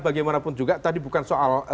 bagaimanapun juga tadi bukan soal